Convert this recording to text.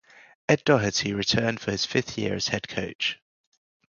Ed Doherty returned for his fifth year as head coach.